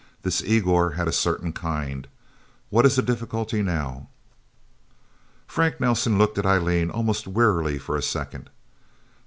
This Igor had a certain kind. What is the difficulty now?" Frank Nelsen looked at Eileen almost wearily for a second.